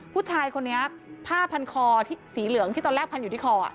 ผู้ชายคนนี้ผ้าพันคอสีเหลืองที่ตอนแรกพันอยู่ที่คอ